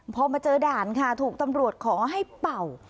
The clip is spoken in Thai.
พอมาเจอด่านค่ะถูกตำรวจขอให้เป่า